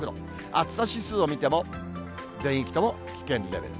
暑さ指数を見ても、全域とも危険レベル。